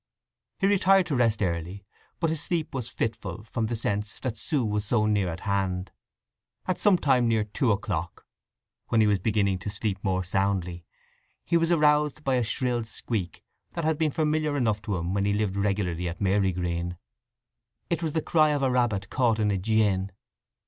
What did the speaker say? He retired to rest early, but his sleep was fitful from the sense that Sue was so near at hand. At some time near two o'clock, when he was beginning to sleep more soundly, he was aroused by a shrill squeak that had been familiar enough to him when he lived regularly at Marygreen. It was the cry of a rabbit caught in a gin.